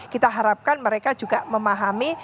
kita harapkan mereka juga memahami